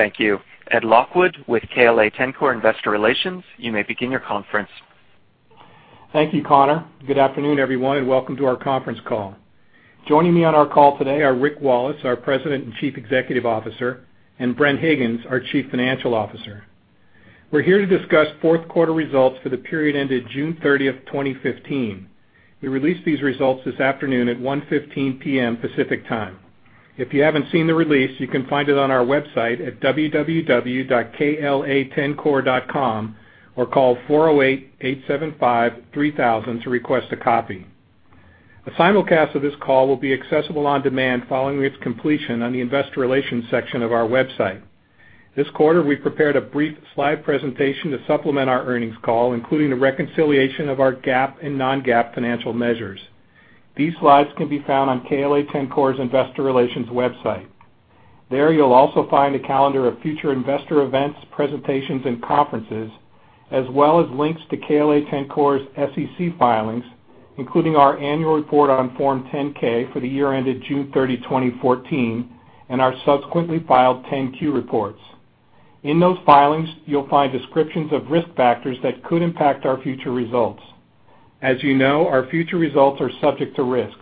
Thank you. Ed Lockwood with KLA-Tencor Investor Relations, you may begin your conference. Thank you, Connor. Good afternoon, everyone, and welcome to our conference call. Joining me on our call today are Rick Wallace, our President and Chief Executive Officer, and Bren Higgins, our Chief Financial Officer. We are here to discuss fourth quarter results for the period ended June 30th, 2015. We released these results this afternoon at 1:15 P.M. Pacific Time. If you haven't seen the release, you can find it on our website at www.kla-tencor.com, or call 408-875-3000 to request a copy. A simulcast of this call will be accessible on demand following its completion on the Investor Relations section of our website. This quarter, we prepared a brief slide presentation to supplement our earnings call, including a reconciliation of our GAAP and non-GAAP financial measures. These slides can be found on KLA-Tencor's Investor Relations website. There, you'll also find a calendar of future investor events, presentations, and conferences, as well as links to KLA-Tencor's SEC filings, including our annual report on Form 10-K for the year ended June 30, 2014, and our subsequently filed 10-Q reports. In those filings, you'll find descriptions of risk factors that could impact our future results. As you know, our future results are subject to risks.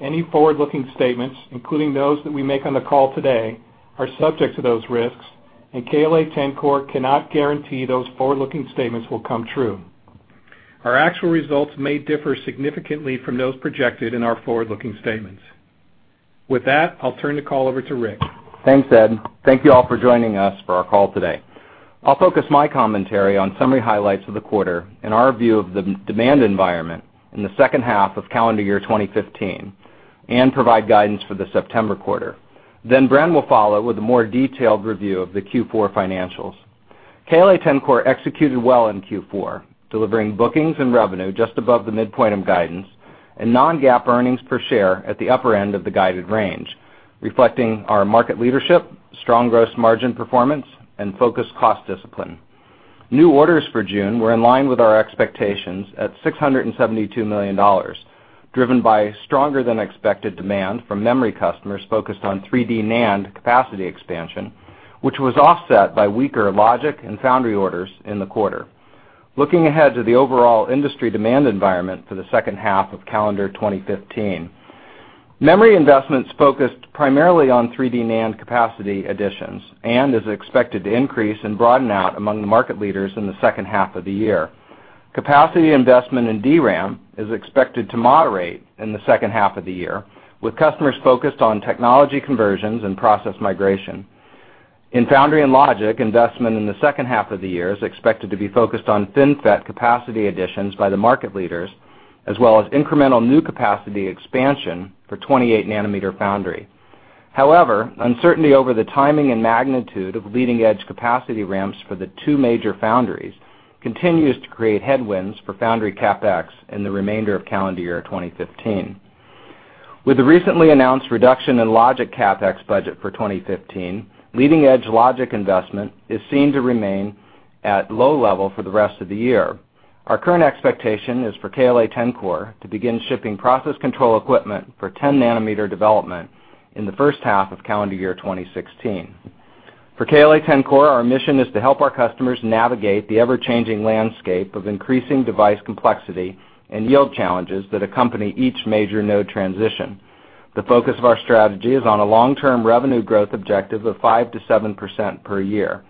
Any forward-looking statements, including those that we make on the call today, are subject to those risks, and KLA-Tencor cannot guarantee those forward-looking statements will come true. Our actual results may differ significantly from those projected in our forward-looking statements. With that, I'll turn the call over to Rick. Thanks, Ed. Thank you all for joining us for our call today. I'll focus my commentary on summary highlights of the quarter and our view of the demand environment in the second half of calendar year 2015 and provide guidance for the September quarter. Bren will follow with a more detailed review of the Q4 financials. KLA-Tencor executed well in Q4, delivering bookings and revenue just above the midpoint of guidance and non-GAAP earnings per share at the upper end of the guided range, reflecting our market leadership, strong gross margin performance, and focused cost discipline. New orders for June were in line with our expectations at $672 million, driven by stronger than expected demand from memory customers focused on 3D NAND capacity expansion, which was offset by weaker logic and foundry orders in the quarter. Looking ahead to the overall industry demand environment for the second half of calendar 2015, memory investments focused primarily on 3D NAND capacity additions and is expected to increase and broaden out among the market leaders in the second half of the year. Capacity investment in DRAM is expected to moderate in the second half of the year, with customers focused on technology conversions and process migration. In foundry and logic, investment in the second half of the year is expected to be focused on FinFET capacity additions by the market leaders, as well as incremental new capacity expansion for 28 nanometer foundry. Uncertainty over the timing and magnitude of leading-edge capacity ramps for the two major foundries continues to create headwinds for foundry CapEx in the remainder of calendar year 2015. With the recently announced reduction in logic CapEx budget for 2015, leading edge logic investment is seen to remain at low level for the rest of the year. Our current expectation is for KLA-Tencor to begin shipping process control equipment for 10 nanometer development in the first half of calendar year 2016. For KLA-Tencor, our mission is to help our customers navigate the ever-changing landscape of increasing device complexity and yield challenges that accompany each major node transition. The focus of our strategy is on a long-term revenue growth objective of 5%-7% per year,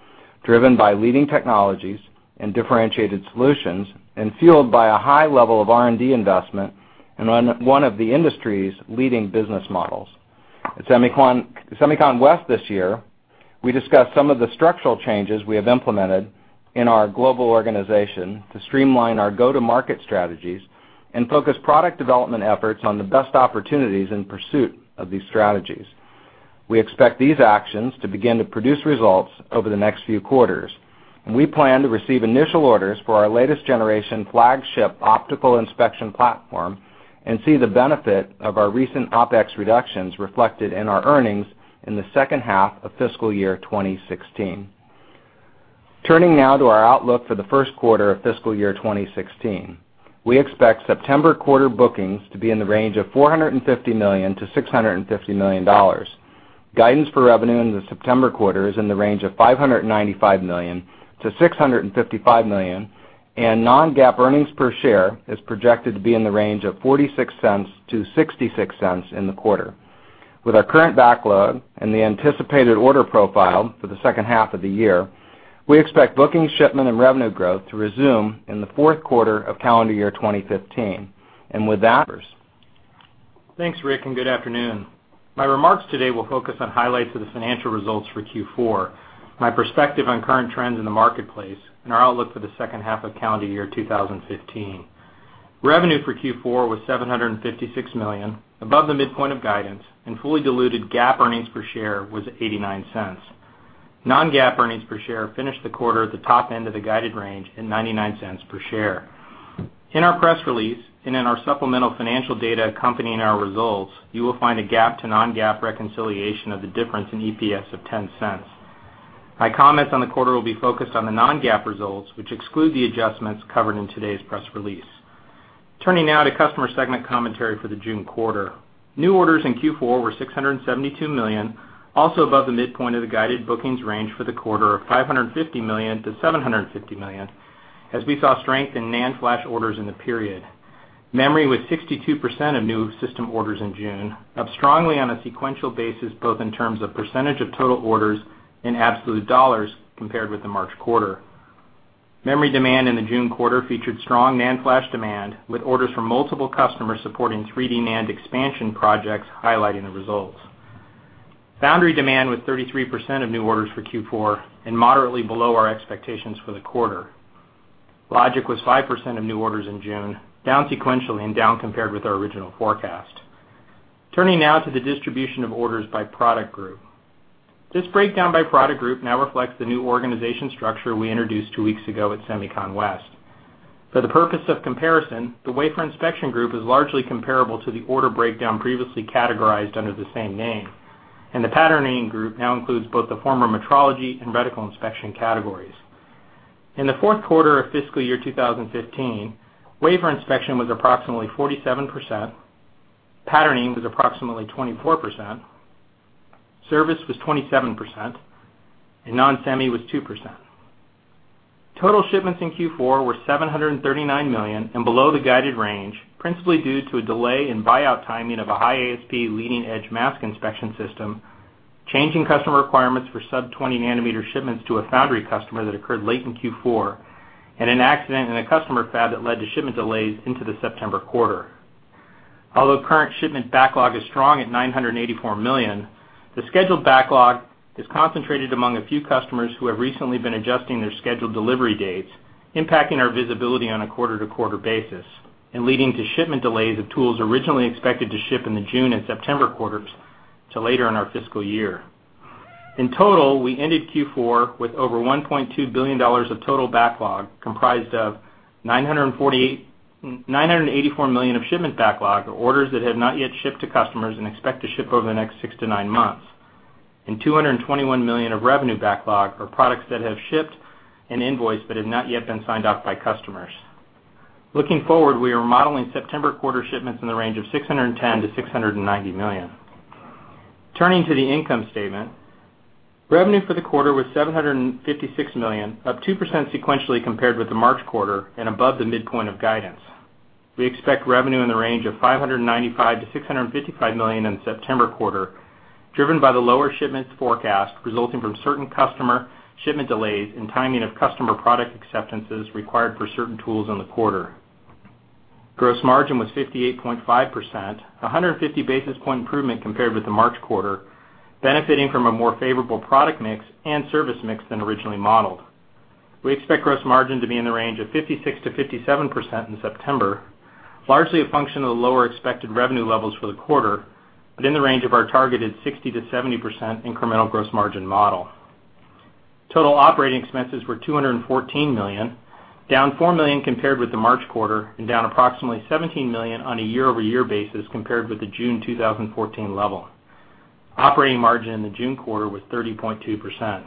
driven by leading technologies and differentiated solutions, and fueled by a high level of R&D investment and one of the industry's leading business models. At SEMICON West this year, we discussed some of the structural changes we have implemented in our global organization to streamline our go-to-market strategies and focus product development efforts on the best opportunities in pursuit of these strategies. We expect these actions to begin to produce results over the next few quarters, and we plan to receive initial orders for our latest generation flagship optical inspection platform and see the benefit of our recent OpEx reductions reflected in our earnings in the second half of fiscal year 2016. Turning now to our outlook for the first quarter of fiscal year 2016. We expect September quarter bookings to be in the range of $450 million-$650 million. Guidance for revenue in the September quarter is in the range of $595 million-$655 million, and non-GAAP earnings per share is projected to be in the range of $0.46-$0.66 in the quarter. With our current backlog and the anticipated order profile for the second half of the year, we expect bookings, shipment, and revenue growth to resume in the fourth quarter of calendar year 2015. Thanks, Rick, and good afternoon. My remarks today will focus on highlights of the financial results for Q4, my perspective on current trends in the marketplace, and our outlook for the second half of calendar year 2015. Revenue for Q4 was $756 million, above the midpoint of guidance, and fully diluted GAAP earnings per share was $0.89. Non-GAAP earnings per share finished the quarter at the top end of the guided range in $0.99 per share. In our press release and in our supplemental financial data accompanying our results, you will find a GAAP to non-GAAP reconciliation of the difference in EPS of $0.10. My comments on the quarter will be focused on the non-GAAP results, which exclude the adjustments covered in today's press release. Turning now to customer segment commentary for the June quarter. New orders in Q4 were $672 million, also above the midpoint of the guided bookings range for the quarter of $550 million-$750 million, as we saw strength in NAND flash orders in the period. Memory was 62% of new system orders in June, up strongly on a sequential basis, both in terms of percentage of total orders and absolute dollars compared with the March quarter. Memory demand in the June quarter featured strong NAND flash demand, with orders from multiple customers supporting 3D NAND expansion projects highlighting the results. Foundry demand was 33% of new orders for Q4 and moderately below our expectations for the quarter. Logic was 5% of new orders in June, down sequentially and down compared with our original forecast. Turning now to the distribution of orders by product group. This breakdown by product group now reflects the new organization structure we introduced two weeks ago at SEMICON West. For the purpose of comparison, the wafer inspection group is largely comparable to the order breakdown previously categorized under the same name, and the patterning group now includes both the former metrology and vertical inspection categories. In the fourth quarter of fiscal year 2015, wafer inspection was approximately 47%, patterning was approximately 24%, service was 27%, and non-semi was 2%. Total shipments in Q4 were $739 million and below the guided range, principally due to a delay in buyout timing of a high ASP leading-edge mask inspection system, changing customer requirements for sub-20-nanometer shipments to a foundry customer that occurred late in Q4, and an accident in a customer fab that led to shipment delays into the September quarter. Although current shipment backlog is strong at $984 million, the scheduled backlog is concentrated among a few customers who have recently been adjusting their scheduled delivery dates, impacting our visibility on a quarter-to-quarter basis and leading to shipment delays of tools originally expected to ship in the June and September quarters to later in our fiscal year. In total, we ended Q4 with over $1.2 billion of total backlog, comprised of $984 million of shipment backlog or orders that have not yet shipped to customers and expect to ship over the next six to nine months, and $221 million of revenue backlog for products that have shipped and invoiced but have not yet been signed off by customers. Looking forward, we are modeling September quarter shipments in the range of $610 million-$690 million. Turning to the income statement. Revenue for the quarter was $756 million, up 2% sequentially compared with the March quarter and above the midpoint of guidance. We expect revenue in the range of $595 million-$655 million in the September quarter, driven by the lower shipments forecast resulting from certain customer shipment delays and timing of customer product acceptances required for certain tools in the quarter. Gross margin was 58.5%, a 150-basis point improvement compared with the March quarter, benefiting from a more favorable product mix and service mix than originally modeled. We expect gross margin to be in the range of 56%-57% in September, largely a function of the lower expected revenue levels for the quarter, but in the range of our targeted 60%-70% incremental gross margin model. Total operating expenses were $214 million, down $4 million compared with the March quarter and down approximately $17 million on a year-over-year basis compared with the June 2014 level. Operating margin in the June quarter was 30.2%.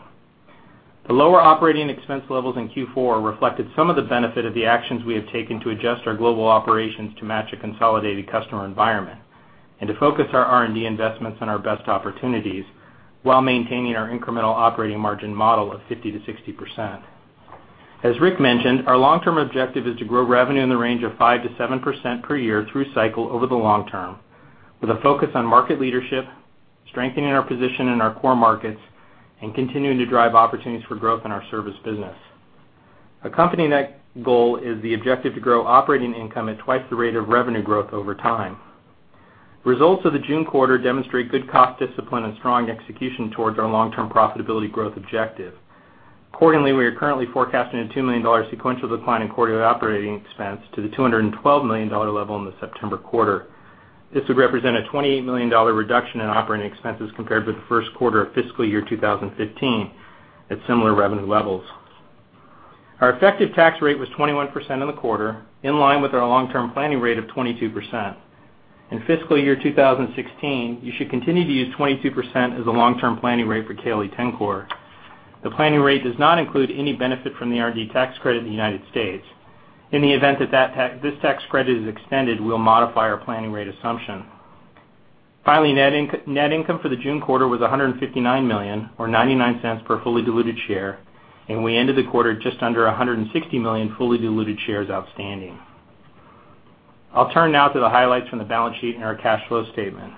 The lower operating expense levels in Q4 reflected some of the benefit of the actions we have taken to adjust our global operations to match a consolidated customer environment and to focus our R&D investments on our best opportunities while maintaining our incremental operating margin model of 50%-60%. As Rick mentioned, our long-term objective is to grow revenue in the range of 5%-7% per year through cycle over the long term, with a focus on market leadership, strengthening our position in our core markets, and continuing to drive opportunities for growth in our service business. Accompanying that goal is the objective to grow operating income at twice the rate of revenue growth over time. Results of the June quarter demonstrate good cost discipline and strong execution towards our long-term profitability growth objective. Accordingly, we are currently forecasting a $2 million sequential decline in quarterly operating expense to the $212 million level in the September quarter. This would represent a $28 million reduction in operating expenses compared with the first quarter of fiscal year 2015 at similar revenue levels. Our effective tax rate was 21% in the quarter, in line with our long-term planning rate of 22%. In fiscal year 2016, you should continue to use 22% as a long-term planning rate for KLA-Tencor. The planning rate does not include any benefit from the R&D tax credit in the United States. In the event that this tax credit is extended, we will modify our planning rate assumption. Finally, net income for the June quarter was $159 million, or $0.99 per fully diluted share, and we ended the quarter just under 160 million fully diluted shares outstanding. I will turn now to the highlights from the balance sheet and our cash flow statement.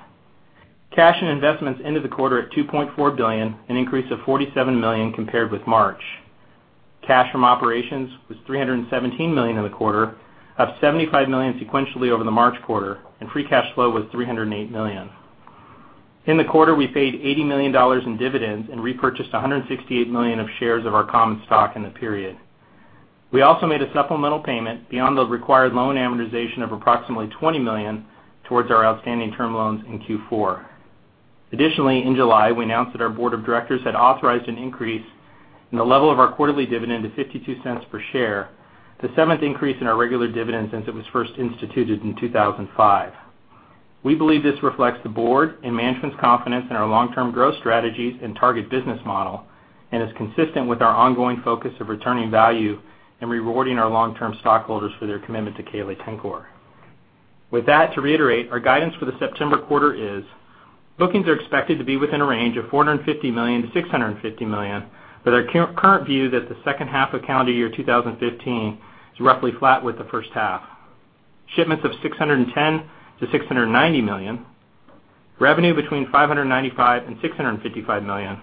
Cash and investments ended the quarter at $2.4 billion, an increase of $47 million compared with March. Cash from operations was $317 million in the quarter, up $75 million sequentially over the March quarter, and free cash flow was $308 million. In the quarter, we paid $80 million in dividends and repurchased $168 million of shares of our common stock in the period. We also made a supplemental payment beyond the required loan amortization of approximately $20 million towards our outstanding term loans in Q4. Additionally, in July, we announced that our board of directors had authorized an increase in the level of our quarterly dividend to $0.52 per share, the seventh increase in our regular dividend since it was first instituted in 2005. We believe this reflects the board and management's confidence in our long-term growth strategies and target business model, and is consistent with our ongoing focus of returning value and rewarding our long-term stockholders for their commitment to KLA-Tencor. With that, to reiterate, our guidance for the September quarter is, bookings are expected to be within a range of $450 million-$650 million, with our current view that the second half of calendar year 2015 is roughly flat with the first half. Shipments of $610 million-$690 million, revenue between $595 million-$655 million,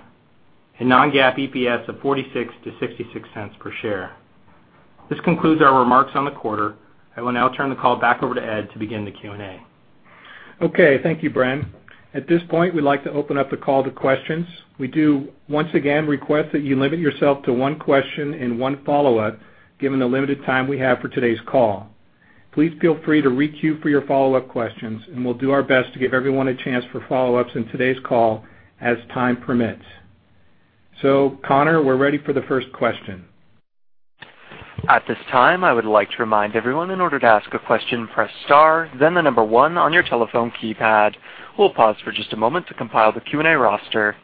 and non-GAAP EPS of $0.46-$0.66 per share. This concludes our remarks on the quarter. I will now turn the call back over to Ed to begin the Q&A. Okay, thank you, Bren. At this point, we'd like to open up the call to questions. We do, once again, request that you limit yourself to one question and one follow-up, given the limited time we have for today's call. Please feel free to re-queue for your follow-up questions, and we'll do our best to give everyone a chance for follow-ups in today's call as time permits. Connor, we're ready for the first question. At this time, I would like to remind everyone, in order to ask a question, press star, then the number one on your telephone keypad. We'll pause for just a moment to compile the Q&A roster.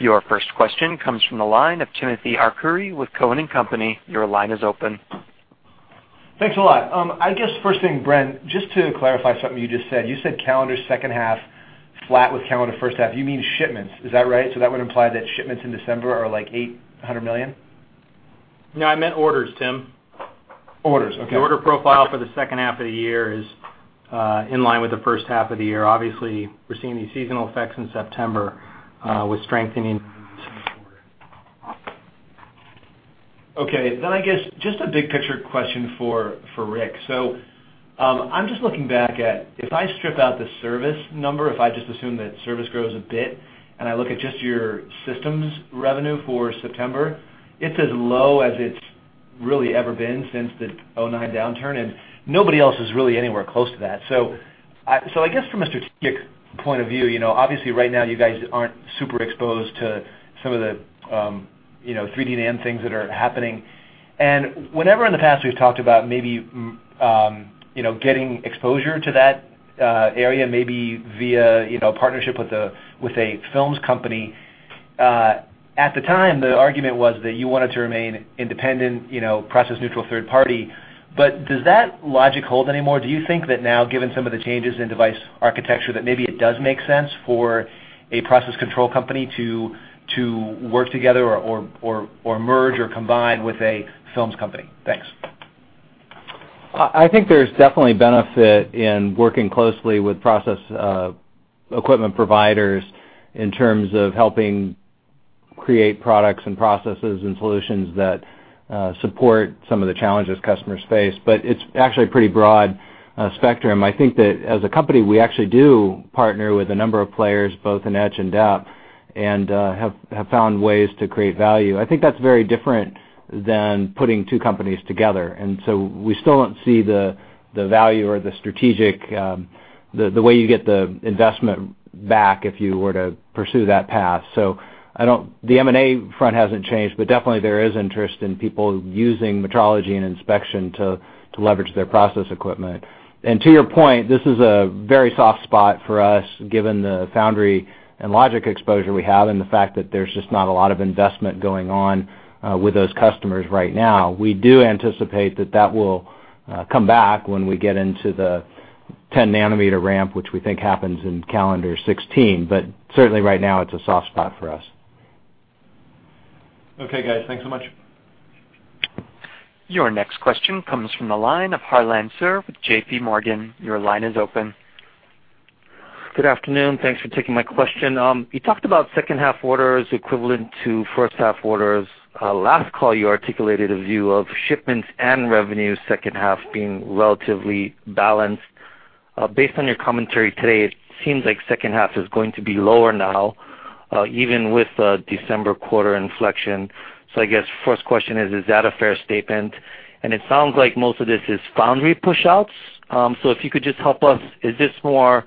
Your first question comes from the line of Timothy Arcuri with Cowen and Company. Your line is open. Thanks a lot. I guess first thing, Bren, just to clarify something you just said. You said calendar second half flat with calendar first half. You mean shipments, is that right? So that would imply that shipments in December are like $800 million? No, I meant orders, Tim. Orders, okay. The order profile for the second half of the year is in line with the first half of the year. Obviously, we're seeing these seasonal effects in September with strengthening into fourth quarter. Okay. I guess just a big picture question for Rick. I'm just looking back at, if I strip out the service number, if I just assume that service grows a bit, and I look at just your systems revenue for September, it's as low as it's really ever been since the '09 downturn, and nobody else is really anywhere close to that. I guess from a strategic point of view, obviously right now you guys aren't super exposed to some of the 3D NAND things that are happening. Whenever in the past we've talked about maybe getting exposure to that area, maybe via partnership with a films company, at the time, the argument was that you wanted to remain independent, process neutral third party. Does that logic hold anymore? Do you think that now, given some of the changes in device architecture, that maybe it does make sense for a process control company to work together or merge or combine with a films company? Thanks. I think there's definitely benefit in working closely with process equipment providers in terms of helping create products and processes and solutions that support some of the challenges customers face, but it's actually a pretty broad spectrum. I think that as a company, we actually do partner with a number of players, both in etch and dep, and have found ways to create value. I think that's very different than putting two companies together. We still don't see the value or the strategic, the way you get the investment back if you were to pursue that path. The M&A front hasn't changed, but definitely there is interest in people using metrology and inspection to leverage their process equipment. To your point, this is a very soft spot for us given the foundry and logic exposure we have and the fact that there's just not a lot of investment going on with those customers right now. We do anticipate that that will come back when we get into the 10 nanometer ramp, which we think happens in calendar '16. Certainly right now, it's a soft spot for us. Okay, guys. Thanks so much. Your next question comes from the line of Harlan Sur with JPMorgan. Your line is open. Good afternoon. Thanks for taking my question. You talked about second half orders equivalent to first half orders. Last call, you articulated a view of shipments and revenue second half being relatively balanced. Based on your commentary today, it seems like second half is going to be lower now, even with a December quarter inflection. I guess first question is that a fair statement? It sounds like most of this is foundry push outs. If you could just help us, is this more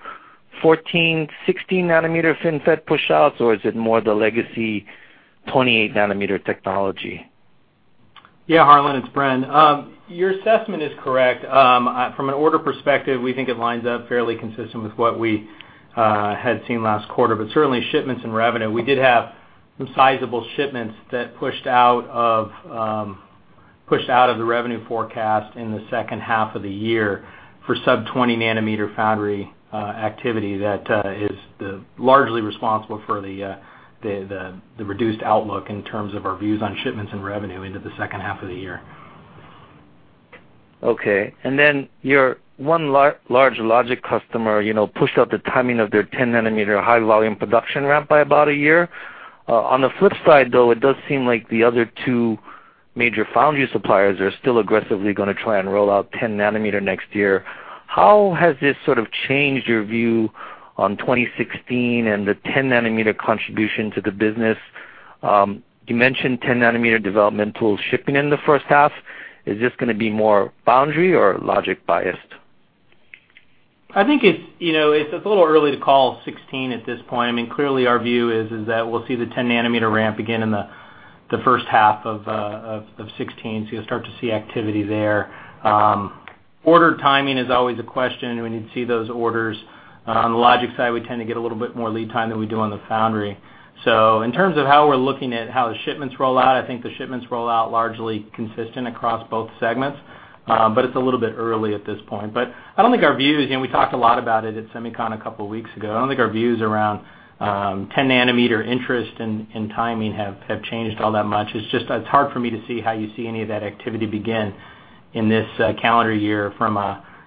14, 16 nanometer FinFET push outs, or is it more the legacy 28 nanometer technology? Yeah, Harlan, it's Bren. Your assessment is correct. From an order perspective, we think it lines up fairly consistent with what we had seen last quarter. Certainly shipments and revenue, we did have some sizable shipments that pushed out of the revenue forecast in the second half of the year for sub-20 nanometer foundry activity that is largely responsible for the reduced outlook in terms of our views on shipments and revenue into the second half of the year. Okay. Your one large logic customer pushed out the timing of their 10 nanometer high volume production ramp by about a year. On the flip side, though, it does seem like the other two major foundry suppliers are still aggressively going to try and roll out 10 nanometer next year. How has this sort of changed your view on 2016 and the 10 nanometer contribution to the business? You mentioned 10 nanometer development tools shipping in the first half. Is this going to be more foundry or logic biased? I think it's a little early to call 2016 at this point. Clearly our view is that we'll see the 10 nanometer ramp begin in the first half of 2016, so you'll start to see activity there. Order timing is always a question when you'd see those orders. On the logic side, we tend to get a little bit more lead time than we do on the foundry. In terms of how we're looking at how the shipments roll out, I think the shipments roll out largely consistent across both segments. It's a little bit early at this point, but I don't think our views, we talked a lot about it at SEMICON a couple of weeks ago, I don't think our views around 10 nanometer interest and timing have changed all that much. It's just hard for me to see how you see any of that activity begin in this calendar year.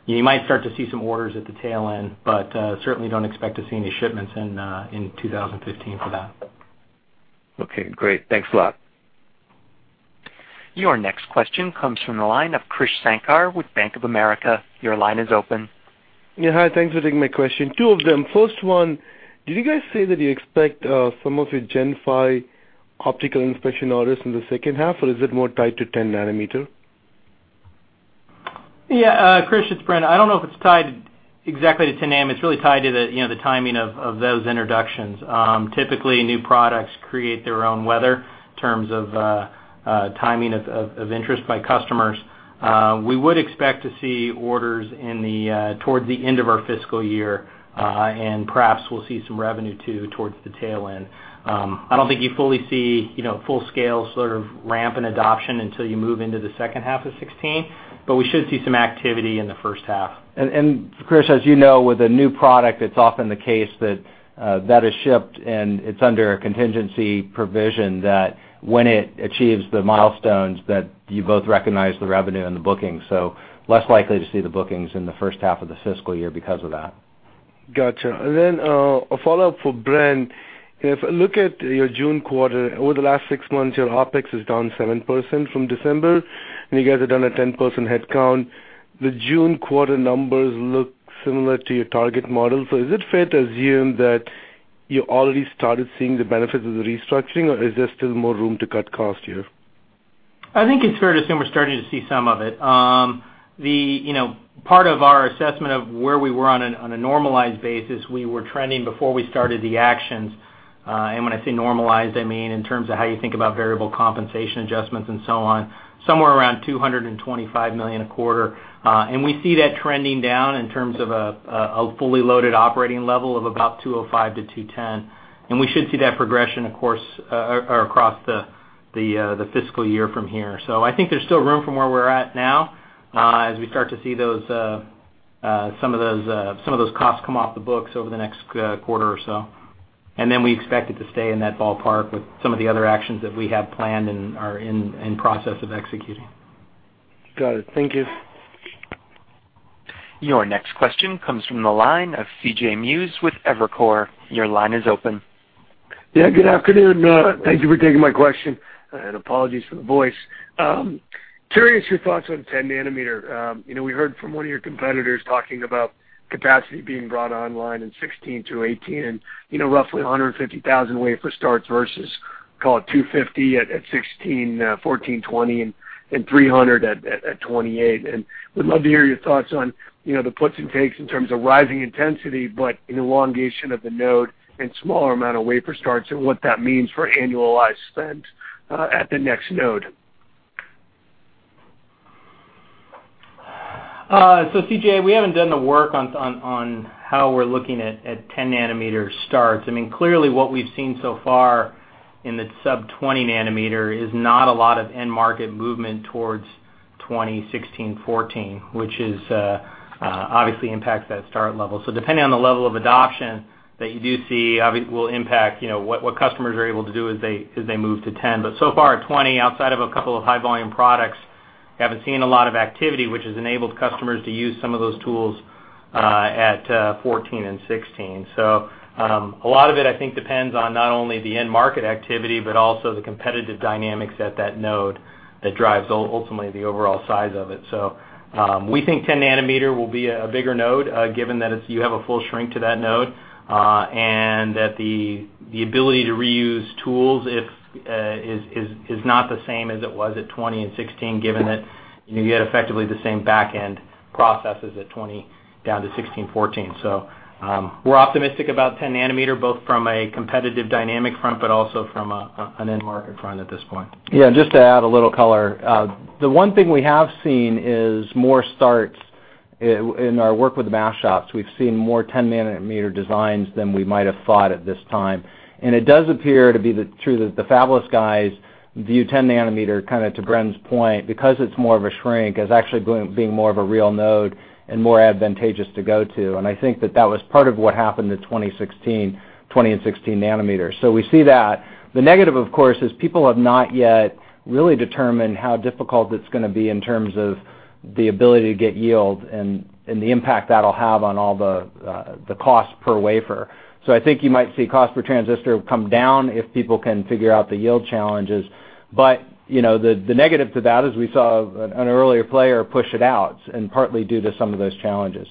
You might start to see some orders at the tail end, but certainly don't expect to see any shipments in 2015 for that. Okay, great. Thanks a lot. Your next question comes from the line of Krish Sankar with Bank of America. Your line is open. Yeah, hi. Thanks for taking my question. Two of them. First one, did you guys say that you expect some of your Gen 5 optical inspection orders in the second half, or is it more tied to 10 nanometer? Yeah, Krish, it's Bren. I don't know if it's tied exactly to 10 nanometer. It's really tied to the timing of those introductions. Typically, new products create their own weather in terms of timing of interest by customers. We would expect to see orders towards the end of our fiscal year, and perhaps we'll see some revenue too towards the tail end. I don't think you fully see full-scale sort of ramp in adoption until you move into the second half of 2016, but we should see some activity in the first half. Krish, as you know, with a new product, it's often the case that that is shipped, and it's under a contingency provision that when it achieves the milestones that you both recognize the revenue and the booking. Less likely to see the bookings in the first half of the fiscal year because of that. Got you. A follow-up for Bren. If I look at your June quarter, over the last 6 months, your OpEx is down 7% from December, and you guys are down at 10% headcount. The June quarter numbers look similar to your target model. Is it fair to assume that you already started seeing the benefits of the restructuring, or is there still more room to cut cost here? I think it's fair to assume we're starting to see some of it. Part of our assessment of where we were on a normalized basis, we were trending before we started the actions. When I say normalized, I mean in terms of how you think about variable compensation adjustments and so on, somewhere around $225 million a quarter. We see that trending down in terms of a fully loaded operating level of about $205-$210. We should see that progression, of course, across the fiscal year from here. I think there's still room from where we're at now, as we start to see some of those costs come off the books over the next quarter or so. We expect it to stay in that ballpark with some of the other actions that we have planned and are in process of executing. Got it. Thank you. Your next question comes from the line of C.J. Muse with Evercore. Your line is open. Yeah, good afternoon. Thank you for taking my question, and apologies for the voice. Curious your thoughts on 10 nanometer. We heard from one of your competitors talking about capacity being brought online in 2016 through 2018, and roughly 150,000 wafer starts versus call it 250 at 16, 14, 20, and 300 at 28. Would love to hear your thoughts on the puts and takes in terms of rising intensity, but an elongation of the node and smaller amount of wafer starts and what that means for annualized spend at the next node. C.J., we haven't done the work on how we're looking at 10 nanometer starts. Clearly, what we've seen so far in the sub-20 nanometer is not a lot of end market movement towards 2016, 14, which obviously impacts that start level. Depending on the level of adoption that you do see, will impact what customers are able to do as they move to 10. So far, at 20, outside of a couple of high volume products, we haven't seen a lot of activity, which has enabled customers to use some of those tools at 14 and 16. A lot of it, I think, depends on not only the end market activity, but also the competitive dynamics at that node that drives ultimately the overall size of it. We think 10 nanometer will be a bigger node, given that you have a full shrink to that node, and that the ability to reuse tools is not the same as it was at 20 and 16, given that you had effectively the same back end processes at 20 down to 16/14. We're optimistic about 10 nanometer, both from a competitive dynamic front, but also from an end market front at this point. Yeah, just to add a little color. The one thing we have seen is more starts in our work with the mask shops. We've seen more 10 nanometer designs than we might have thought at this time. It does appear to be true that the fabless guys view 10 nanometer, kind of to Bren's point, because it's more of a shrink, as actually being more of a real node and more advantageous to go to. I think that that was part of what happened to 2016, 20, and 16 nanometers. We see that. The negative, of course, is people have not yet really determined how difficult it's going to be in terms of the ability to get yield and the impact that'll have on all the cost per wafer. I think you might see cost per transistor come down if people can figure out the yield challenges. The negative to that is we saw an earlier player push it out, and partly due to some of those challenges.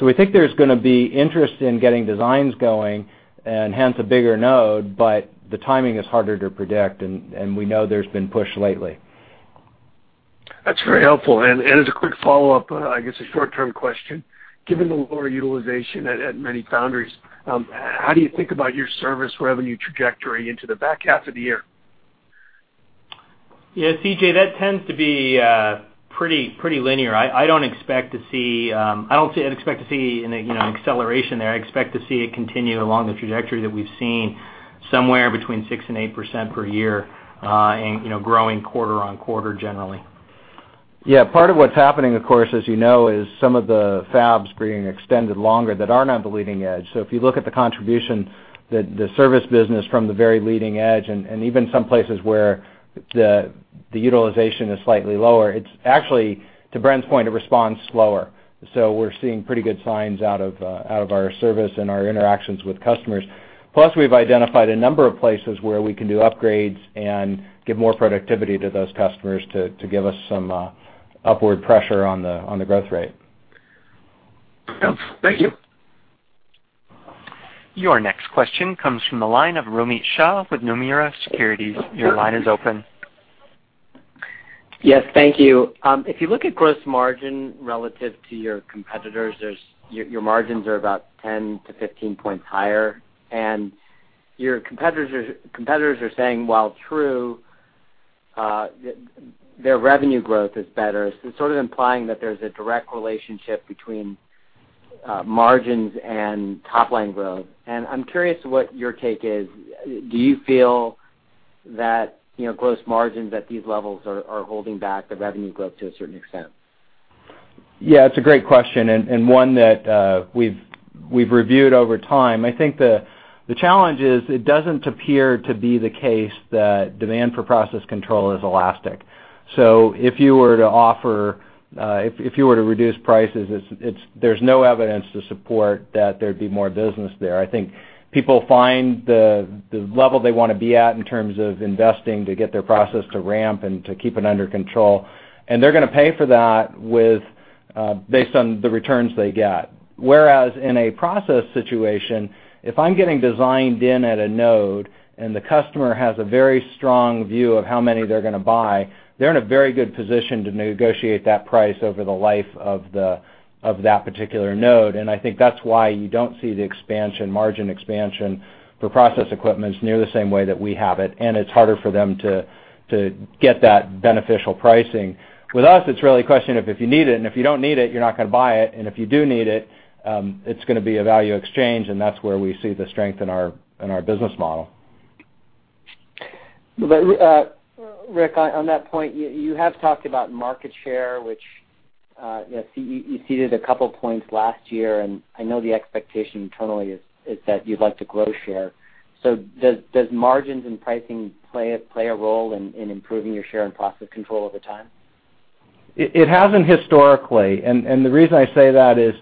We think there's going to be interest in getting designs going, and hence a bigger node, but the timing is harder to predict, and we know there's been push lately. That's very helpful. As a quick follow-up, I guess a short-term question, given the lower utilization at many foundries, how do you think about your service revenue trajectory into the back half of the year? C.J., that tends to be pretty linear. I don't expect to see an acceleration there. I expect to see it continue along the trajectory that we've seen somewhere between 6% and 8% per year, and growing quarter on quarter, generally. Part of what's happening, of course, as you know, is some of the fabs being extended longer that are not the leading edge. If you look at the contribution, the service business from the very leading edge, and even some places where the utilization is slightly lower, it's actually, to Bren's point, it responds slower. We're seeing pretty good signs out of our service and our interactions with customers. Plus, we've identified a number of places where we can do upgrades and give more productivity to those customers to give us some upward pressure on the growth rate. Yeah. Thank you. Your next question comes from the line of Romit Shah with Nomura Securities. Your line is open. Yes. Thank you. If you look at gross margin relative to your competitors, your margins are about 10-15 points higher, your competitors are saying, while true, their revenue growth is better. Sort of implying that there's a direct relationship between margins and top-line growth. I'm curious what your take is. Do you feel that gross margins at these levels are holding back the revenue growth to a certain extent? Yeah, it's a great question, and one that we've reviewed over time. I think the challenge is, it doesn't appear to be the case that demand for process control is elastic. If you were to reduce prices, there's no evidence to support that there'd be more business there. I think people find the level they want to be at in terms of investing to get their process to ramp and to keep it under control, and they're going to pay for that based on the returns they get. Whereas in a process situation, if I'm getting designed in at a node and the customer has a very strong view of how many they're going to buy, they're in a very good position to negotiate that price over the life of that particular node. I think that's why you don't see the margin expansion for process equipments near the same way that we have it. It's harder for them to get that beneficial pricing. With us, it's really a question of if you need it. If you don't need it, you're not going to buy it. If you do need it's going to be a value exchange. That's where we see the strength in our business model. Rick, on that point, you have talked about market share, which you ceded a couple of points last year. I know the expectation internally is that you'd like to grow share. Does margins and pricing play a role in improving your share in process control over time? It hasn't historically. The reason I say that is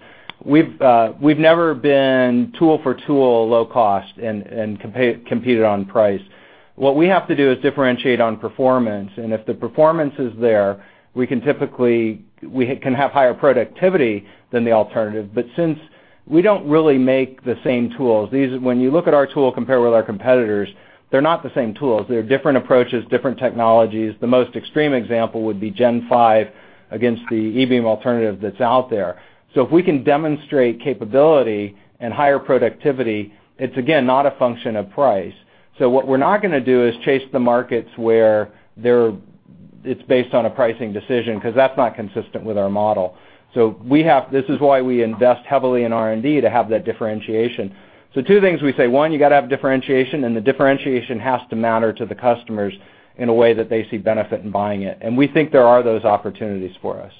we've never been tool for tool, low cost, competed on price. What we have to do is differentiate on performance. If the performance is there, we can have higher productivity than the alternative. Since we don't really make the same tools, when you look at our tool compared with our competitors, they're not the same tools. They're different approaches, different technologies. The most extreme example would be Gen 5 against the e-beam alternative that's out there. If we can demonstrate capability and higher productivity, it's again, not a function of price. What we're not going to do is chase the markets where it's based on a pricing decision, because that's not consistent with our model. This is why we invest heavily in R&D to have that differentiation. Two things we say. One, you got to have differentiation. The differentiation has to matter to the customers in a way that they see benefit in buying it. We think there are those opportunities for us.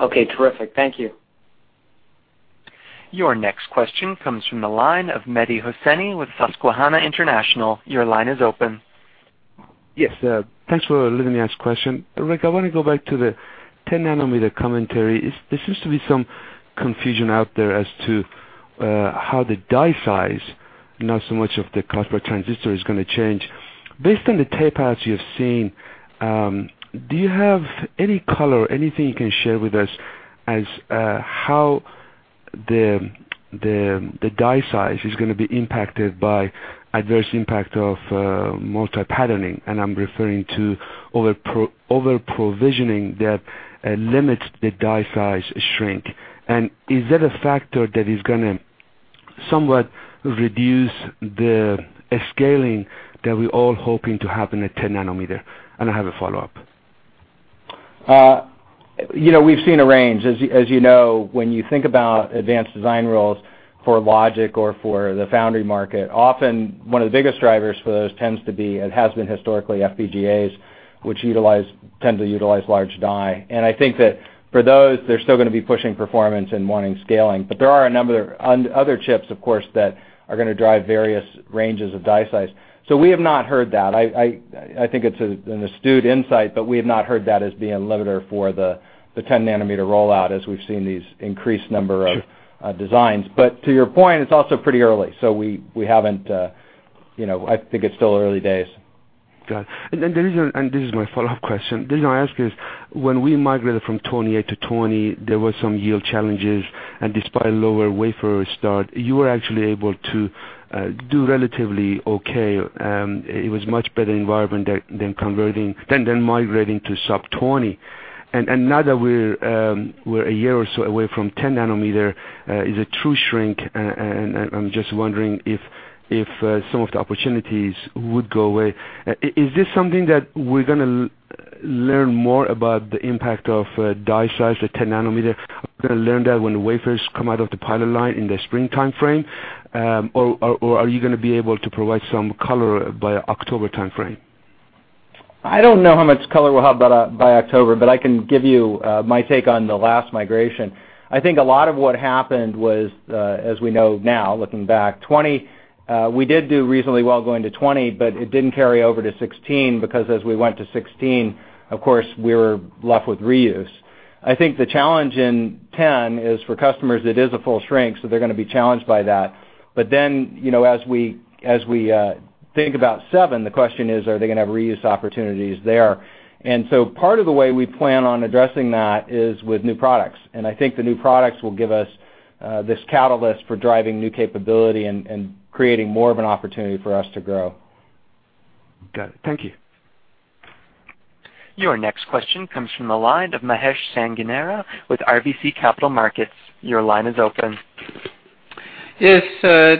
Okay, terrific. Thank you. Your next question comes from the line of Mehdi Hosseini with Susquehanna International. Your line is open. Yes. Thanks for letting me ask question. Rick, I want to go back to the 10 nanometer commentary. There seems to be some confusion out there as to how the die size, not so much of the cost per transistor is going to change. Based on the tapeouts you have seen, do you have any color or anything you can share with us as how the die size is going to be impacted by adverse impact of multi-patterning? I'm referring to over-provisioning that limits the die size shrink. Is that a factor that is going to somewhat reduce the scaling that we're all hoping to have in a 10 nanometer? I have a follow-up. We've seen a range. As you know, when you think about advanced design rules for logic or for the foundry market, often one of the biggest drivers for those tends to be, and has been historically FPGAs, which tend to utilize large die. I think that for those, they're still going to be pushing performance and wanting scaling. There are a number of other chips, of course, that are going to drive various ranges of die size. We have not heard that. I think it's an astute insight, but we have not heard that as being a limiter for the 10 nanometer rollout as we've seen these increased number of designs. To your point, it's also pretty early, so I think it's still early days. Got it. This is my follow-up question. The reason I ask is, when we migrated from 28 to 20, there were some yield challenges, despite a lower wafer start, you were actually able to do relatively okay. It was much better environment than migrating to sub 20. Now that we're a year or so away from 10 nanometer, is a true shrink. I'm just wondering if some of the opportunities would go away. Is this something that we're going to learn more about the impact of die size, the 10 nanometer? Are we going to learn that when the wafers come out of the pilot line in the spring timeframe? Are you going to be able to provide some color by October timeframe? I don't know how much color we'll have by October. I can give you my take on the last migration. I think a lot of what happened was, as we know now, looking back, we did do reasonably well going to 20, it didn't carry over to 16 because as we went to 16, of course, we were left with reuse. I think the challenge in 10 is for customers, it is a full shrink, they're going to be challenged by that. As we think about seven, the question is, are they going to have reuse opportunities there? Part of the way we plan on addressing that is with new products. I think the new products will give us this catalyst for driving new capability and creating more of an opportunity for us to grow. Got it. Thank you. Your next question comes from the line of Mahesh Sanganeria with RBC Capital Markets. Your line is open. Yes.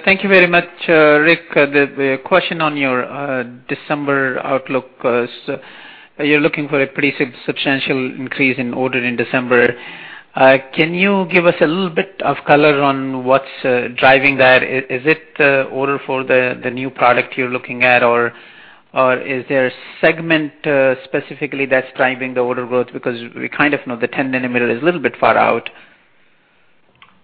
Thank you very much, Rick. The question on your December outlook is, you're looking for a pretty substantial increase in order in December. Can you give us a little bit of color on what's driving that? Is it order for the new product you're looking at, or is there a segment specifically that's driving the order growth? We kind of know the 10 nanometer is a little bit far out.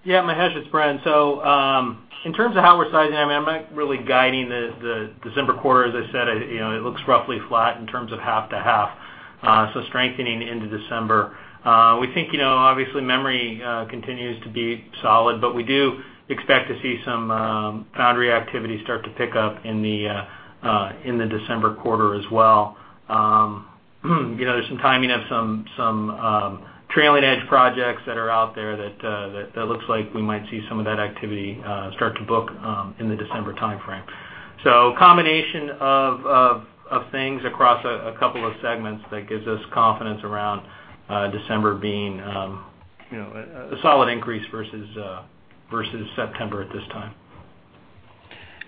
Mahesh, it's Bren Higgins. In terms of how we're sizing, I'm not really guiding the December quarter. As I said, it looks roughly flat in terms of half to half, so strengthening into December. We think, obviously memory continues to be solid, but we do expect to see some foundry activity start to pick up in the December quarter as well. There's some timing of some trailing edge projects that are out there that looks like we might see some of that activity start to book in the December timeframe. A combination of things across a couple of segments that gives us confidence around December being a solid increase versus September at this time.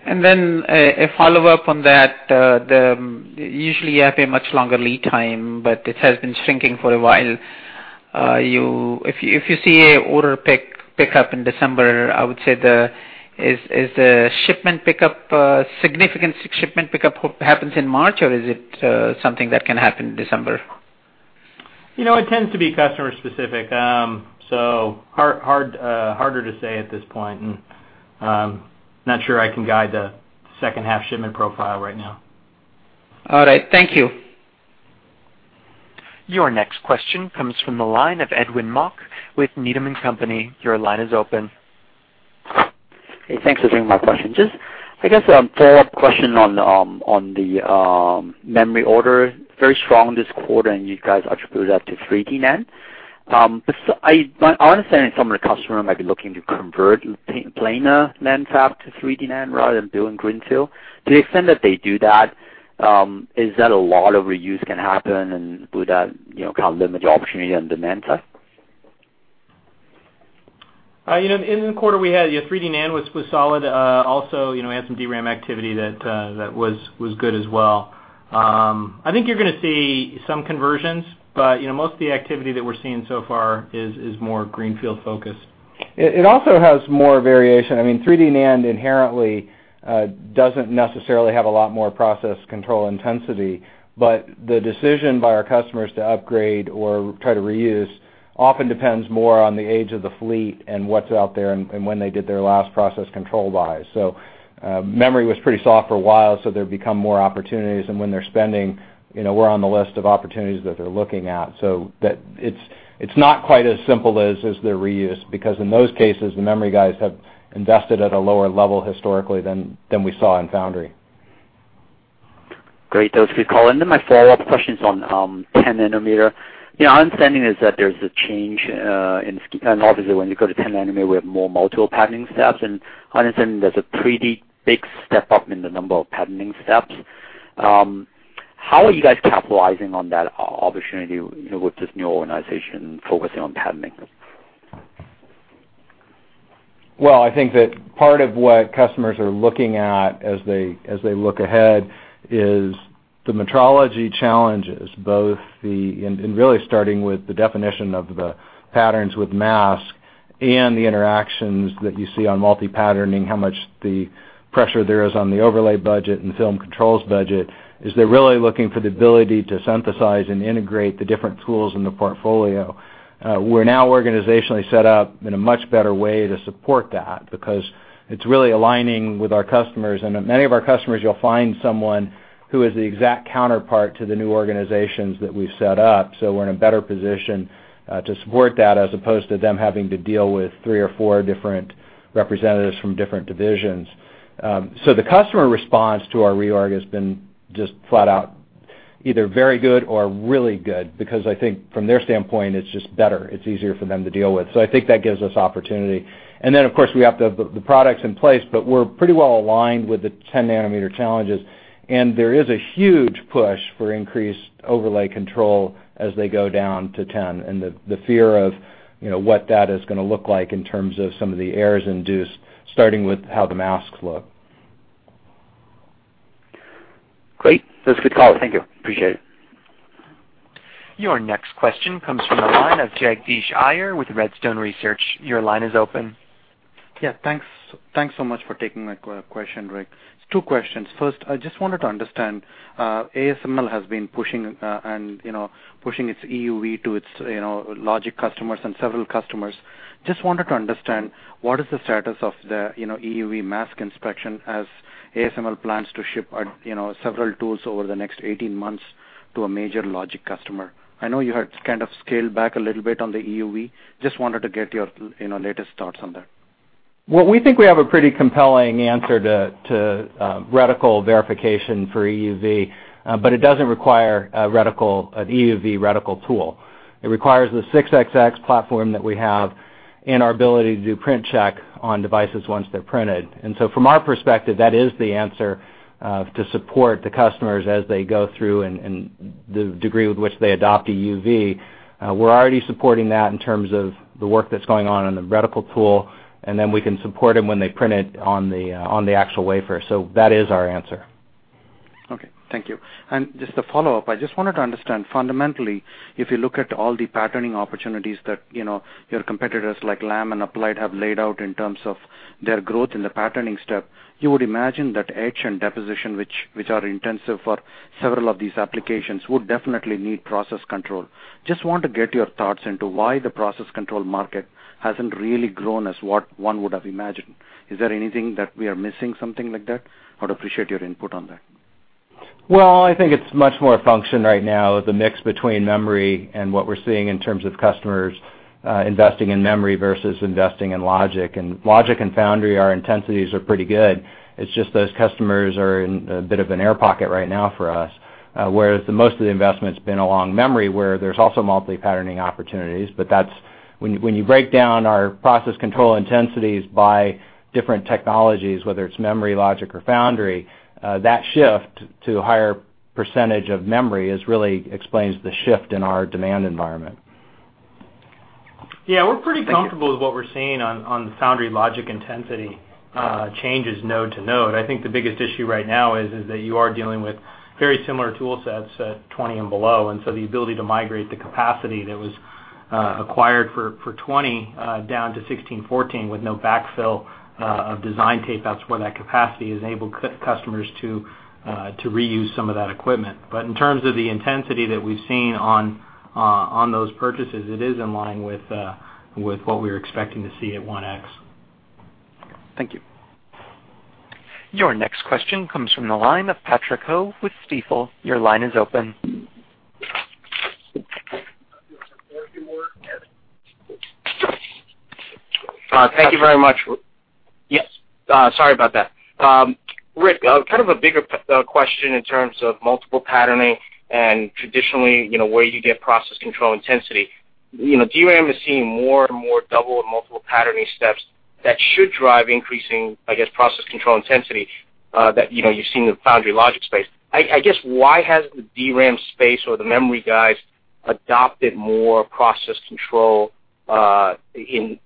A follow-up on that. Usually, you have a much longer lead time, but it has been shrinking for a while. If you see a order pick up in December, I would say, is the shipment pickup significant, shipment pickup happens in March, or is it something that can happen in December? It tends to be customer specific, so harder to say at this point, and not sure I can guide the second half shipment profile right now. All right. Thank you. Your next question comes from the line of Edwin Mok with Needham & Company. Your line is open. Hey, thanks for taking my question. Just, I guess, a follow-up question on the memory order. Very strong this quarter, and you guys attribute that to 3D NAND. My understanding is some of the customer might be looking to convert planar NAND fab to 3D NAND rather than doing greenfield. To the extent that they do that, is that a lot of reuse can happen, and would that kind of limit the opportunity on the Manta? In the quarter we had, yeah, 3D NAND was solid. Also, we had some DRAM activity that was good as well. I think you're going to see some conversions, but most of the activity that we're seeing so far is more greenfield focused. It also has more variation. 3D NAND inherently doesn't necessarily have a lot more process control intensity, but the decision by our customers to upgrade or try to reuse often depends more on the age of the fleet and what's out there and when they did their last process control buys. Memory was pretty soft for a while, so there have become more opportunities, and when they're spending, we're on the list of opportunities that they're looking at. It's not quite as simple as the reuse, because in those cases, the memory guys have invested at a lower level historically than we saw in foundry. Great. That was a good call. My follow-up question is on 10 nanometer. My understanding is that there's a change in, and obviously when you go to 10 nanometer, we have more multiple patterning steps, and I understand there's a pretty big step up in the number of patterning steps. How are you guys capitalizing on that opportunity with this new organization focusing on patterning? Well, I think that part of what customers are looking at as they look ahead is the metrology challenges, and really starting with the definition of the patterns with masks and the interactions that you see on multi-patterning, how much the pressure there is on the overlay budget and film controls budget, is they're really looking for the ability to synthesize and integrate the different tools in the portfolio. We're now organizationally set up in a much better way to support that, because it's really aligning with our customers, and in many of our customers, you'll find someone who is the exact counterpart to the new organizations that we've set up. We're in a better position to support that as opposed to them having to deal with three or four different representatives from different divisions. The customer response to our reorg has been just flat out either very good or really good because I think from their standpoint, it's just better. It's easier for them to deal with. I think that gives us opportunity. Of course, we have to have the products in place, but we're pretty well aligned with the 10 nanometer challenges, and there is a huge push for increased overlay control as they go down to 10 and the fear of what that is going to look like in terms of some of the errors induced, starting with how the masks look. Great. That's a good call. Thank you. Appreciate it. Your next question comes from the line of Jagdish Iyer with Redstone Research. Your line is open. Yeah. Thanks so much for taking my question, Rick. Two questions. First, I just wanted to understand, ASML has been pushing its EUV to its logic customers and several customers. Just wanted to understand, what is the status of the EUV mask inspection as ASML plans to ship several tools over the next 18 months to a major logic customer? I know you had kind of scaled back a little bit on the EUV. Just wanted to get your latest thoughts on that. Well, we think we have a pretty compelling answer to reticle verification for EUV, but it doesn't require an EUV reticle tool. It requires the 6xx platform that we have and our ability to do print check on devices once they're printed. From our perspective, that is the answer to support the customers as they go through and the degree with which they adopt EUV. We're already supporting that in terms of the work that's going on in the reticle tool, and then we can support them when they print it on the actual wafer. That is our answer. Okay. Thank you. Just a follow-up. I just wanted to understand, fundamentally, if you look at all the patterning opportunities that your competitors like Lam and Applied have laid out in terms of their growth in the patterning step, you would imagine that etch and deposition, which are intensive for several of these applications, would definitely need process control. Just want to get your thoughts into why the process control market hasn't really grown as what one would have imagined. Is there anything that we are missing, something like that? I would appreciate your input on that. I think it's much more a function right now of the mix between memory and what we're seeing in terms of customers investing in memory versus investing in logic. Logic and foundry, our intensities are pretty good. It's just those customers are in a bit of an air pocket right now for us. Whereas most of the investment's been along memory, where there's also multi-patterning opportunities, when you break down our process control intensities by different technologies, whether it's memory, logic, or foundry, that shift to a higher percentage of memory really explains the shift in our demand environment. We're pretty comfortable with what we're seeing on foundry logic intensity changes node to node. I think the biggest issue right now is that you are dealing with very similar tool sets at 20 and below, the ability to migrate the capacity that was acquired for 20 down to 16, 14 with no backfill of design tape, that's where that capacity has enabled customers to reuse some of that equipment. In terms of the intensity that we've seen on those purchases, it is in line with what we were expecting to see at 1X. Thank you. Your next question comes from the line of Patrick Ho with Stifel. Your line is open. Thank you very much. Yes. Sorry about that. Rick, kind of a bigger question in terms of multiple patterning and traditionally, where you get process control intensity. DRAM is seeing more and more double and multiple patterning steps that should drive increasing, I guess, process control intensity that you're seeing in the foundry logic space. I guess, why hasn't the DRAM space or the memory guys adopted more process control in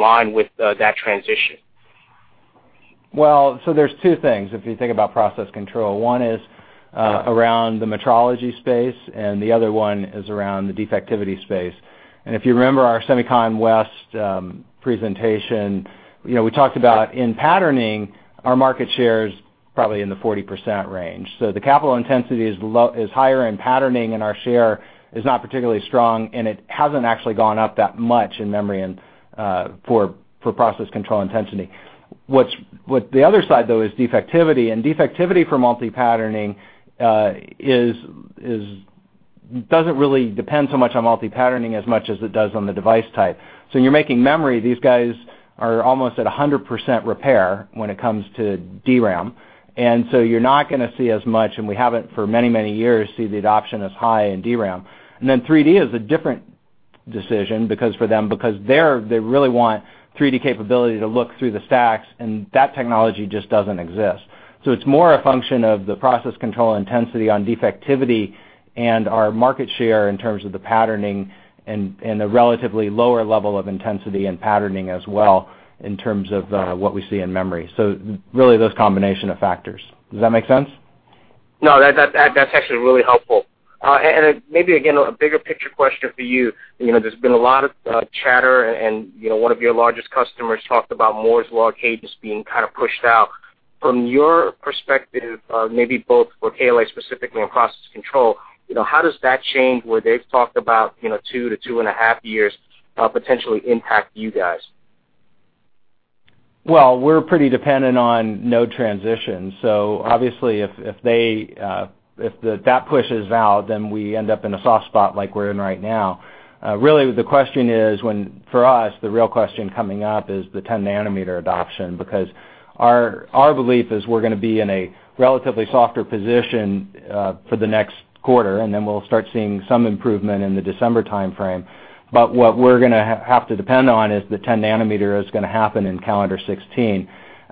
line with that transition? There's two things, if you think about process control. One is around the metrology space, and the other one is around the defectivity space. If you remember our SEMICON West presentation, we talked about in patterning, our market share is probably in the 40% range. The capital intensity is higher in patterning and our share is not particularly strong, and it hasn't actually gone up that much in memory and for process control intensity. The other side, though, is defectivity, and defectivity for multi-patterning doesn't really depend so much on multi-patterning as much as it does on the device type. When you're making memory, these guys are almost at 100% repair when it comes to DRAM. You're not going to see as much, and we haven't for many, many years, see the adoption as high in DRAM. 3D is a different decision for them because there, they really want 3D capability to look through the stacks, and that technology just doesn't exist. It's more a function of the process control intensity on defectivity and our market share in terms of the patterning and the relatively lower level of intensity in patterning as well in terms of what we see in memory. Really, those combination of factors. Does that make sense? No, that's actually really helpful. Maybe again, a bigger picture question for you. There's been a lot of chatter, and one of your largest customers talked about Moore's Law cadence as being kind of pushed out. From your perspective, maybe both for KLA specifically and process control, how does that change, where they've talked about two to 2.5 years potentially impact you guys? We're pretty dependent on node transitions. Obviously, if that pushes out, we end up in a soft spot like we're in right now. Really, the question is, for us, the real question coming up is the 10 nanometer adoption, because our belief is we're going to be in a relatively softer position for the next quarter, and then we'll start seeing some improvement in the December timeframe. What we're going to have to depend on is the 10 nanometer is going to happen in calendar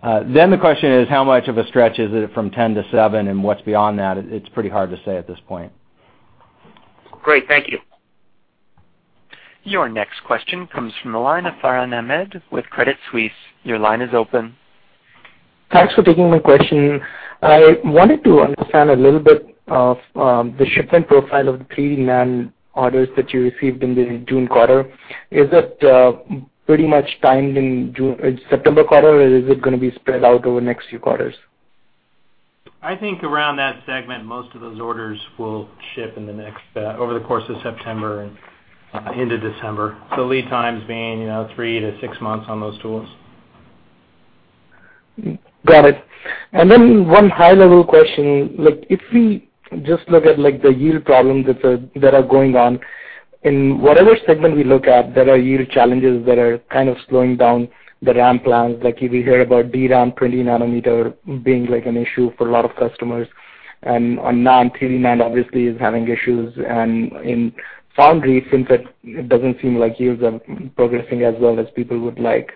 2016. The question is, how much of a stretch is it from 10 to seven, and what's beyond that? It's pretty hard to say at this point. Great. Thank you. Your next question comes from the line of Farhan Ahmad with Credit Suisse. Your line is open. Thanks for taking my question. I wanted to understand a little bit of the shipment profile of the 3D NAND orders that you received in the June quarter. Is that pretty much timed in September quarter, or is it going to be spread out over the next few quarters? I think around that segment, most of those orders will ship over the course of September and into December. Lead times being 3 to 6 months on those tools. Got it. One high-level question. If we just look at the yield problems that are going on, in whatever segment we look at, there are yield challenges that are kind of slowing down the ramp plans. Like if you hear about DRAM 20 nanometer being an issue for a lot of customers, NAND, 3D NAND obviously is having issues, and in foundry, since it doesn't seem like yields are progressing as well as people would like.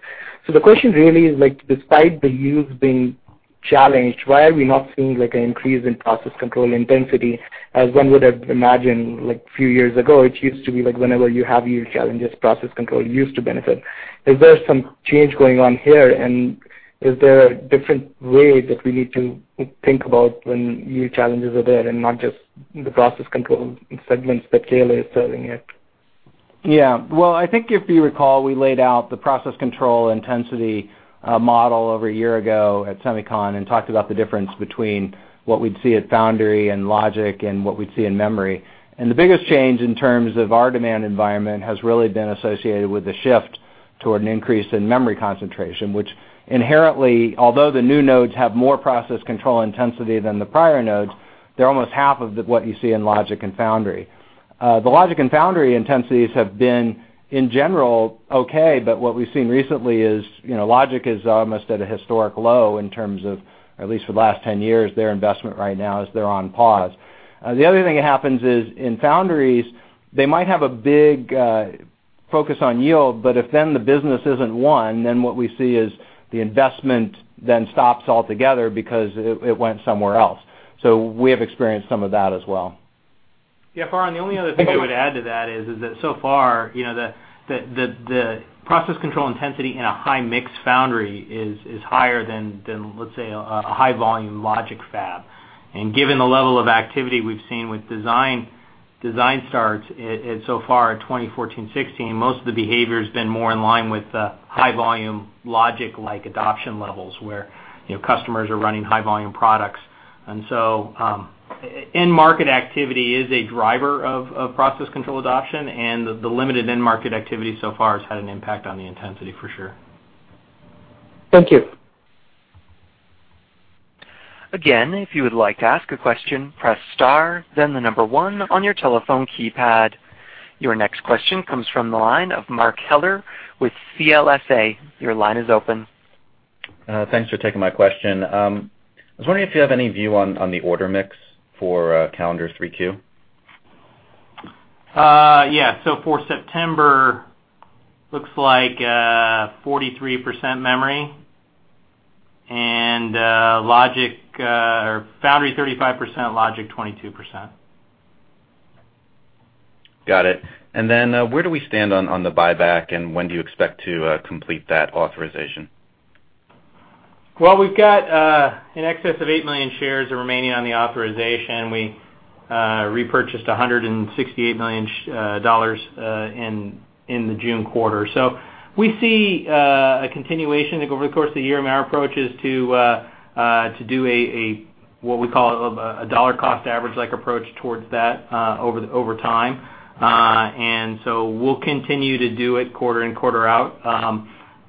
The question really is like, despite the yields being challenged, why are we not seeing an increase in process control intensity, as one would have imagined like a few years ago? It used to be like whenever you have yield challenges, process control used to benefit. Is there some change going on here, and is there a different way that we need to think about when new challenges are there and not just the process control segments that KLA is serving here? Well, I think if you recall, we laid out the process control intensity model over a year ago at SEMICON and talked about the difference between what we'd see at foundry and logic and what we'd see in memory. The biggest change in terms of our demand environment has really been associated with the shift toward an increase in memory concentration, which inherently, although the new nodes have more process control intensity than the prior nodes, they're almost half of what you see in logic and foundry. The logic and foundry intensities have been, in general, okay, but what we've seen recently is logic is almost at a historic low in terms of, at least for the last 10 years, their investment right now is they're on pause. The other thing that happens is in foundries, they might have a big focus on yield, but if then the business isn't one, then what we see is the investment then stops altogether because it went somewhere else. We have experienced some of that as well. Yeah, Farhan, the only other thing I would add to that is that so far, the process control intensity in a high-mix foundry is higher than, let's say, a high-volume logic fab. Given the level of activity we've seen with design starts so far in 2014-16, most of the behavior's been more in line with the high-volume logic-like adoption levels, where customers are running high-volume products. End market activity is a driver of process control adoption, and the limited end market activity so far has had an impact on the intensity for sure. Thank you. Again, if you would like to ask a question, press star, then the number one on your telephone keypad. Your next question comes from the line of Mark Heller with CLSA. Your line is open. Thanks for taking my question. I was wondering if you have any view on the order mix for calendar 3Q. Yeah. For September, looks like 43% memory, and foundry 35%, logic 22%. Got it. Where do we stand on the buyback, and when do you expect to complete that authorization? Well, we've got in excess of 8 million shares remaining on the authorization. We repurchased $168 million in the June quarter. We see a continuation over the course of the year, and our approach is to do what we call a dollar cost average-like approach towards that over time. We'll continue to do it quarter in, quarter out.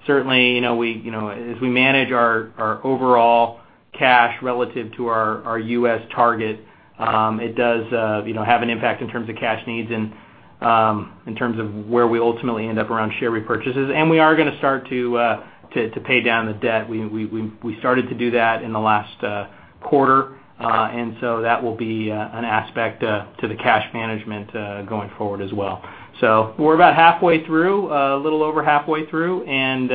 Certainly, as we manage our overall cash relative to our U.S. target, it does have an impact in terms of cash needs and in terms of where we ultimately end up around share repurchases. We are going to start to pay down the debt. We started to do that in the last quarter, and so that will be an aspect to the cash management going forward as well. We're about a little over halfway through, and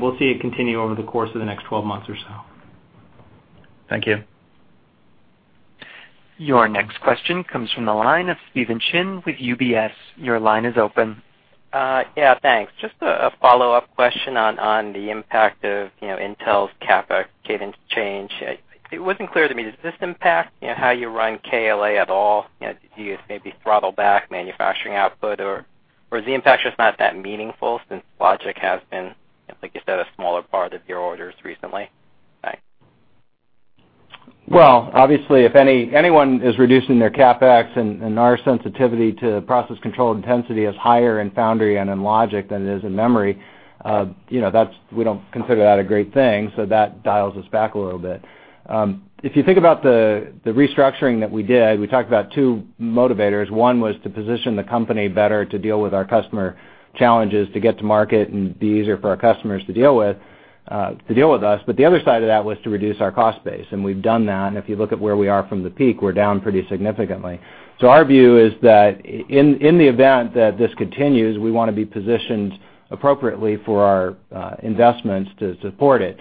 we'll see it continue over the course of the next 12 months or so. Thank you. Your next question comes from the line of Steven Chin with UBS. Your line is open. Yeah, thanks. Just a follow-up question on the impact of Intel's CapEx guidance change. It wasn't clear to me, does this impact how you run KLA at all? Do you maybe throttle back manufacturing output, or is the impact just not that meaningful since logic has been, I think you said, a smaller part of your orders recently? Thanks. Obviously, if anyone is reducing their CapEx, our sensitivity to process control intensity is higher in foundry and in logic than it is in memory, we don't consider that a great thing, that dials us back a little bit. If you think about the restructuring that we did, we talked about two motivators. One was to position the company better to deal with our customer challenges, to get to market and be easier for our customers to deal with us. The other side of that was to reduce our cost base, and we've done that, if you look at where we are from the peak, we're down pretty significantly. Our view is that in the event that this continues, we want to be positioned appropriately for our investments to support it.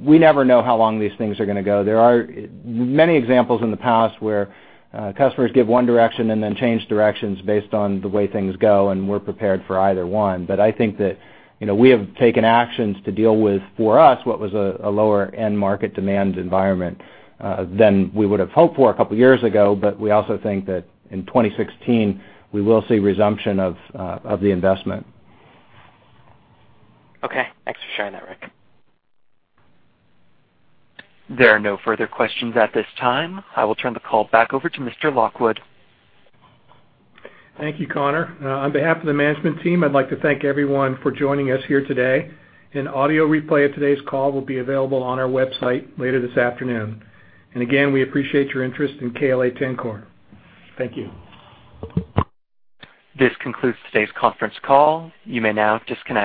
We never know how long these things are going to go. There are many examples in the past where customers give one direction, then change directions based on the way things go, and we're prepared for either one. I think that we have taken actions to deal with, for us, what was a lower end market demand environment than we would've hoped for a couple of years ago, we also think that in 2016, we will see resumption of the investment. Thanks for sharing that, Rick. There are no further questions at this time. I will turn the call back over to Mr. Lockwood. Thank you, Connor. On behalf of the management team, I'd like to thank everyone for joining us here today. An audio replay of today's call will be available on our website later this afternoon. Again, we appreciate your interest in KLA-Tencor. Thank you. This concludes today's conference call. You may now disconnect.